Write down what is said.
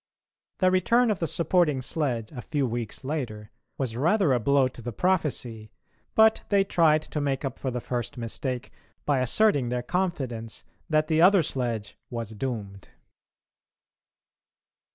The return of the supporting sledge a few weeks later was rather a blow to the prophecy, but they tried to make up for the first mistake by asserting their confidence that the other sledge was doomed.